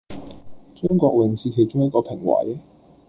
張國榮是其中一個評委